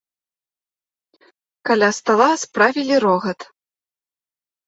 Каля стала справілі рогат.